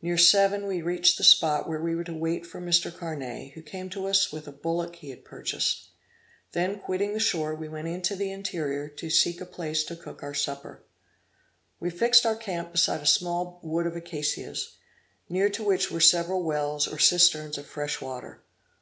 Near seven we reached the spot where we were to wait for Mr. Carnet, who came to us with a bullock he had purchased. Then quitting the shore, we went into the interior to seek a place to cook our supper. We fixed our camp beside a small wood of acacias, near to which were several wells or cisterns of fresh water.